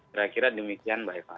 kira kira demikian mbak eva